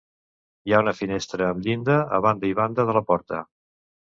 Hi ha una finestra amb llinda a banda i banda de la porta.